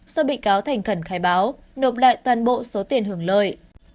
do bị cáo thành khẩn khai báo nộp lại toàn bộ số tiền hưởng lợi